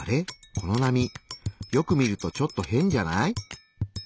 この波よく見るとちょっと変じゃない？